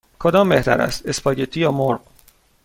کدام بهتر است: اسپاگتی یا مرغ؟